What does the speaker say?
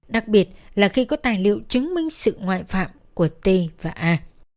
đặc biệt là khi có tài liệu chứng minh sự ngoại phạm của t và a